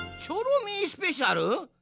チョロミースペシャル？